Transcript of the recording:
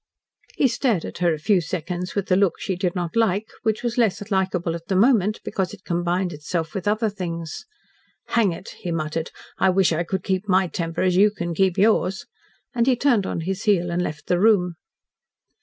He stared at her a few seconds with the look she did not like, which was less likeable at the moment, because it combined itself with other things. "Hang it," he muttered. "I wish I could keep my temper as you can keep yours," and he turned on his heel and left the room.